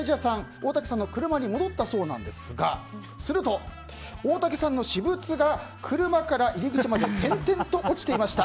大竹さんの車に戻ったそうなんですがすると、大竹さんの私物が車から入り口まで点々と落ちていました。